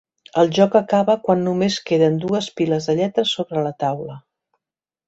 El joc acaba quan només queden dues piles de lletres sobre la taula.